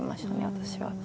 私は。